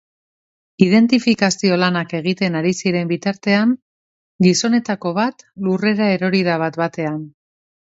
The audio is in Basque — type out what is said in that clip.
Identifikazio lanak egiten ari ziren bitartean, gizonezkoetako bat lurrera erori da bat-batean.